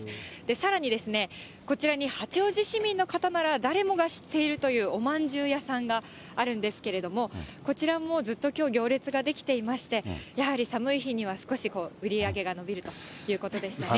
さらに、こちらに八王子市民の方なら誰もが知っているというおまんじゅう屋さんがあるんですけれども、こちらもうずっときょう行列が出来ていまして、やはり寒い日には少し売り上げが伸びるということでしたね。